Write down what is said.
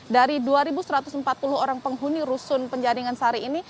dari dua satu ratus empat puluh orang penghuni rusun penjaringan sari ini